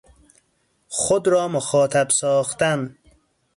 خود را مخاطب ساختن